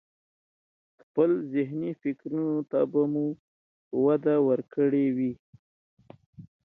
خپل ذهني فکرونو ته به مو وده ورکړي وي.